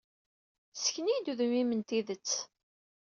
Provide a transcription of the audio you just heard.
Ssken-iyi-d udem-im n tidet.